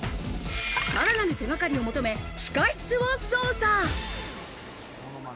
さらなる手がかりを求め地下室を捜査。